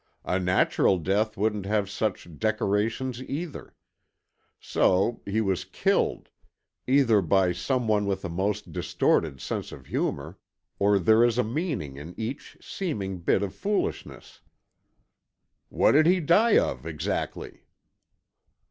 A natural death wouldn't have such decorations, either. So, he was killed, either by some one with a most distorted sense of humour, or there is a meaning in each seeming bit of foolishness." "What did he die of, exactly?"